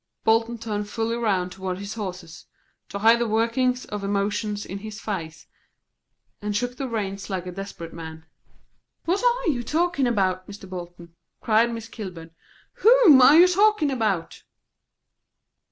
Bolton turned fully round toward his horses, to hide the workings of emotion in his face, and shook the reins like a desperate man. "What are you talking about, Mr. Bolton?" cried Miss Kilburn. "Whom are you talking about?"